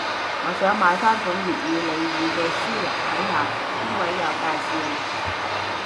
我想買返本粵語俚語嘅書嚟睇下，邊位有介紹